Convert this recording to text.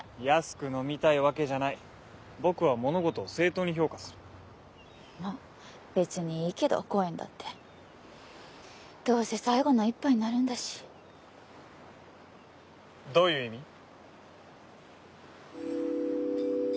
安く飲みたいわけじゃない僕は物事を正当に評価するまぁ別にいいけど５円だってどうせ最後の１杯になるんだしどういう意味？